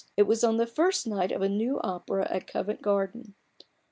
It was on the first night of a new opera at Covent Garden.